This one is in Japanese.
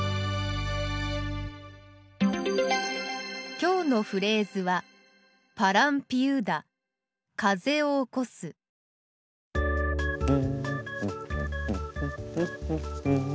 今日のフレーズはおお。